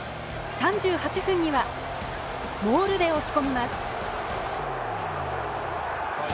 ３８分にはモールで押し込みます。